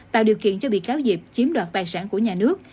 tạo điều kiện cho bị cáo diệp chiếm đoạt tài sản của nhà nước